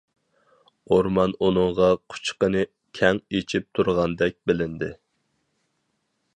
ئورمان ئۇنىڭغا قۇچىقىنى كەڭ ئېچىپ تۇرغاندەك بىلىندى.